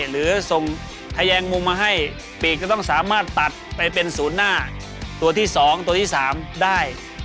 หรือส่งทะแยงมุมมาให้ปีกก็ต้องสามารถตัดไปเป็นศูนย์หน้าตัวที่๒ตัวที่๓ได้